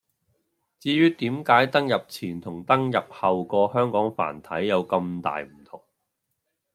至於點解登入前同登入後個「香港繁體」有咁大唔同